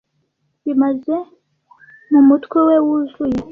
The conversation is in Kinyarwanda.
bimaze mumutwe we wuzuye